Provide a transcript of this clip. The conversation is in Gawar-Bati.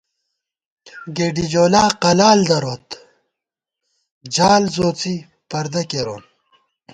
گېڈیجولا قلال دروت جال ځوڅی پردَہ کېرون